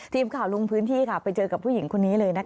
ทีมข่าวลงพื้นที่ไปเจอกับผู้หญิงคนนี้เลยนะคะ